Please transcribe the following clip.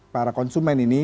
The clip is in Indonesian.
para konsumen ini